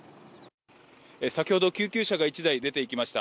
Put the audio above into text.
先ほど、救急車が１台出ていきました。